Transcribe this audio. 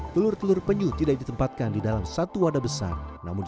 penyu penyu di tempat yang terkenal di desa gedangan